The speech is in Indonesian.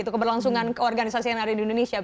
keberlangsungan ke organisasi yang ada di indonesia